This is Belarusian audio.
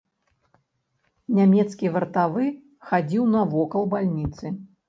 Нямецкі вартавы хадзіў навакол бальніцы.